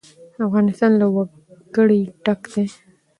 افغانستان له وګړي ډک دی.